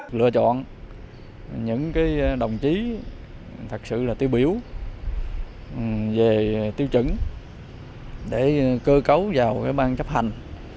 lựa chọn những đồng chí thật sự tiêu biểu về tiêu chuẩn để cơ cấu vào ban chấp hành